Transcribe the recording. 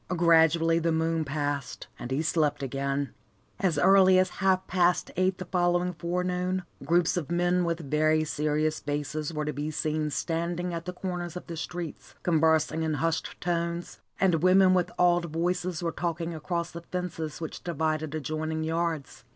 Gradually the moon passed, and he slept again. As early as half past eight the following forenoon, groups of men with very serious faces were to be seen standing at the corners of the streets, conversing in hushed tones, and women with awed voices were talking across the fences which divided adjoining yards.